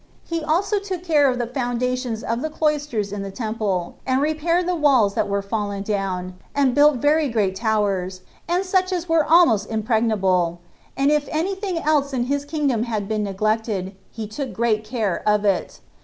He also took care of the foundations of the cloisters in the temple, and repaired the walls that were fallen down, and built very great towers, and such as were almost impregnable; and if any thing else in his kingdom had been neglected, he took great care of it.